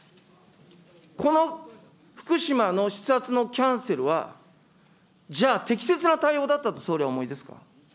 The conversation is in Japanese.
この福島の視察のキャンセルは、じゃあ、適切な対応だったと総理はお思いですか。